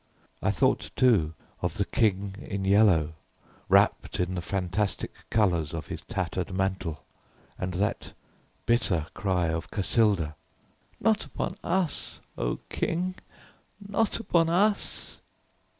I thought, too, of the King in Yellow wrapped in the fantastic colours of his tattered mantle, and that bitter cry of Cassilda, "Not upon us, oh King, not upon us!"